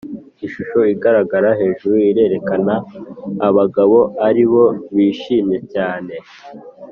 Ishusho igaragara hejuru irerekana ko abagabo aribo bishimye cyane